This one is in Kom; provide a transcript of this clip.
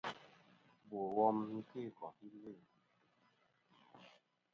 Bò wom nɨ̀n kœ̂ kòfi lvîn.